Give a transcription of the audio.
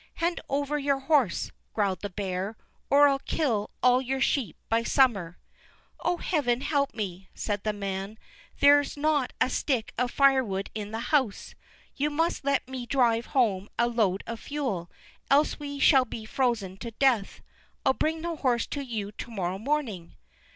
"Hand over your horse," growled the bear, "or I'll kill all your sheep by summer." "Oh, Heaven help me!" said the man. "There's not a stick of firewood in the house; you must let me drive home a load of fuel, else we shall be frozen to death. I'll bring the horse to you to morrow morning."